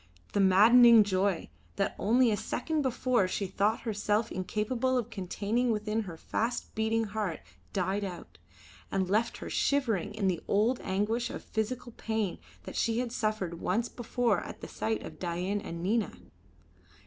The maddening joy, that only a second before she thought herself incapable of containing within her fast beating heart, died out, and left her shivering in the old anguish of physical pain that she had suffered once before at the sight of Dain and Nina.